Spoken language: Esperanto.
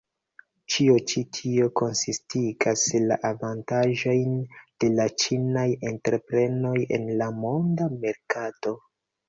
Ĉio ĉi tio konsistigas la avantaĝojn de la ĉinaj entreprenoj en la monda merkato.